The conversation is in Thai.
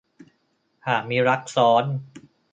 หากมีรักซ้อน